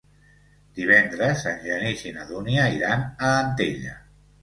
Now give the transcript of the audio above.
Divendres en Genís i na Dúnia iran a Antella.